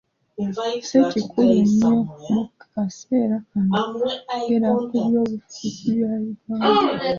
Si kikulu nnyo mu kaseera kano okwogera ku byobufuzi bya Uganda.